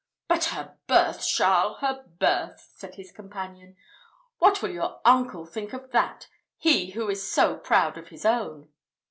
"But her birth, Charles, her birth!" said his companion. "What will your uncle think of that? he who is so proud of his own."